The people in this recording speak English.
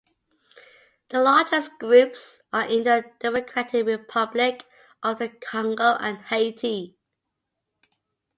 The largest groups are in the Democratic Republic of the Congo and Haiti.